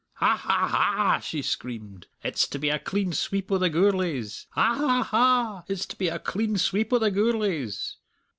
"Ha, ha, ha!" she screamed, "it's to be a clean sweep o' the Gourlays! Ha, ha, ha! it's to be a clean sweep o' the Gourlays!"